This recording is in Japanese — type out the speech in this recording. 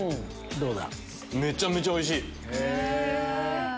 めちゃめちゃおいしい。